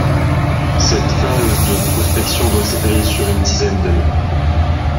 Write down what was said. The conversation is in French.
Cette phase de prospection doit s'étaler sur une dizaine d'années.